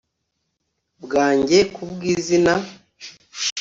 Bwanjye ku bw izina